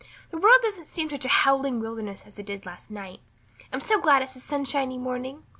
"The world doesn't seem such a howling wilderness as it did last night. I'm so glad it's a sunshiny morning.